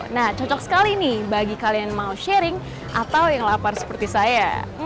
nah cocok sekali nih bagi kalian yang mau sharing atau yang lapar seperti saya